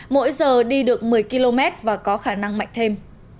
mỗi giờ đi được một mươi km và có khả năng mạnh thêm